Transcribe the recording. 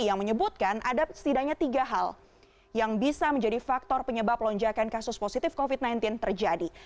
yang menyebutkan ada setidaknya tiga hal yang bisa menjadi faktor penyebab lonjakan kasus positif covid sembilan belas terjadi